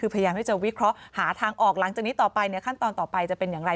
ประยะมให้เจ้าวิเคราะห์หาทางออกล่างจากนี้ต่อไปหรือขั้นตอนต่อไปจะเป็นอย่างไร